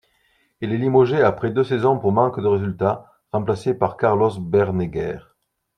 Il est limogé après deux saisons pour manque de résultats, remplacé par Carlos Bernegger.